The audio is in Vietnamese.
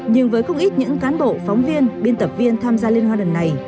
nhưng với không ít những cán bộ phóng viên biên tập viên tham gia liên hoan lần này